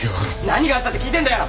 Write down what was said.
何があったって聞いてんだよ。